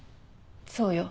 そうよ。